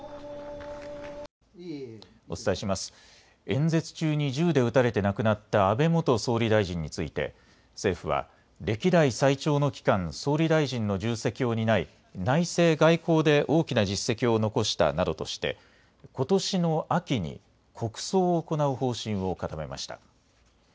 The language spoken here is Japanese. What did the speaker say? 演説中に銃で撃たれて亡くなった安倍元総理大臣について、政府は、歴代最長の期間、総理大臣の重責を担い、内政・外交で大きな実績を残したなどとして、ことしの秋に、国葬を行う方針を固めました。